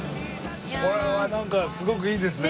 ここら辺はなんかすごくいいですね